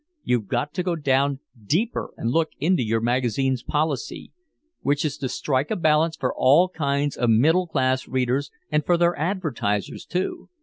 You've got to go down deeper and look into your magazine's policy which is to strike a balance for all kinds of middle class readers and for their advertisers too.